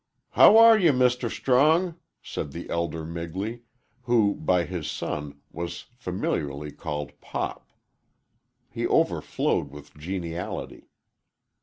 "How are you, Mr. Strong?" said the elder Migley, who, by his son, was familiarly called "Pop." He overflowed with geniality.